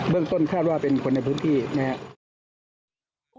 เรื่องต้นคาดว่าเป็นคนในพื้นที่นะครับ